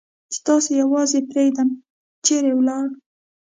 چې تاسې یوازې پرېږدم، چېرې ولاړ؟